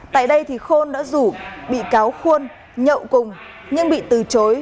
tại đây thì khôn đã rủ bị cáo khuôn nhậu cùng nhưng bị từ chối